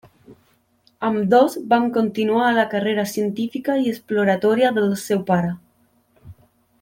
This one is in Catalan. Ambdós van continuar la carrera científica i exploratòria del seu pare.